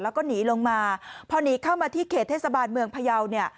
แล้วก็หนีลงมาพอหนีเข้ามาที่เขตเทศบาลเมืองพยาวเนี่ย